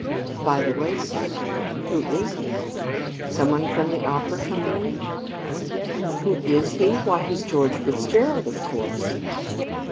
"By the way," said Kate, "who is he? Someone from the opera company?" "Who is he? Why, he's George Fitzgerald, of course."